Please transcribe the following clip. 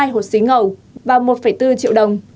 một mươi hai hột xí ngậu và một bốn triệu đồng